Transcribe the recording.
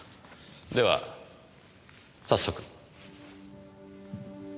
では早速。